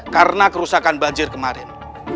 karena kerusakan banjir kemarin